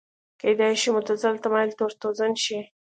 کېدای شو معتزله تمایل تور تورن شي